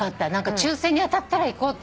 抽選に当たったら行こうって。